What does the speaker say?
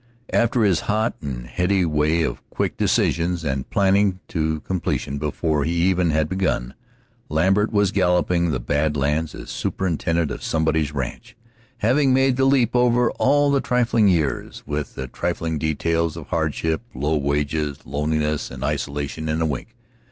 After his hot and heady way of quick decisions and planning to completion before he even had begun, Lambert was galloping the Bad Lands as superintendent of somebody's ranch, having made the leap over all the trifling years, with their trifling details of hardship, low wages, loneliness, and isolation in a wink.